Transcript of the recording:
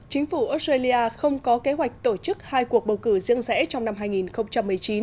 chính phủ australia không có kế hoạch tổ chức hai cuộc bầu cử riêng rẽ trong năm hai nghìn một mươi chín